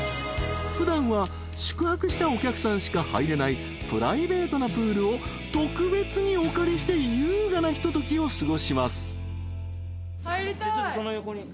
［普段は宿泊したお客さんしか入れないプライベートなプールを特別にお借りして優雅なひとときを過ごします］